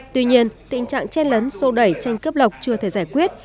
tuy nhiên tình trạng chen lấn sô đẩy tranh cướp lọc chưa thể giải quyết